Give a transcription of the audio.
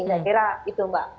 kira kira itu mbak